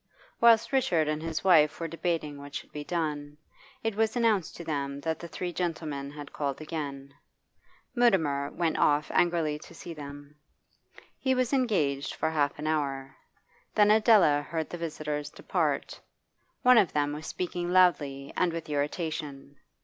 Whilst Richard and his wife were debating what should be done, it was announced to them that the three gentlemen had called again. Mutimer went oft angrily to see them. He was engaged for half an hour. Then Adela heard the visitors depart; one of them was speaking loudly and with irritation.